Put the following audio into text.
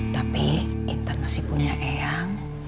tapi intan masih punya eyang